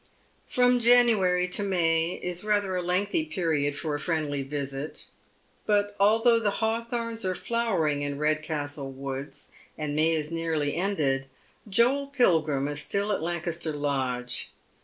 From January to May is rather a lengthy period for a fnendly visit, but although the hawthorns are flowering in RedcaHtlo woods, and May is nearlyended, Joel Pilgrim is still at Lancaster Lodge.